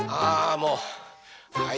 もうはい。